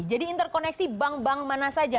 jadi interkoneksi bank bank mana saja